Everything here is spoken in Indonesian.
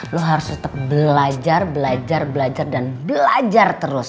lo harus tetep belajar belajar belajar dan belajar terus